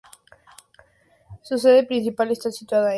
Su sede principal está situada en Akron, Ohio, Estados Unidos.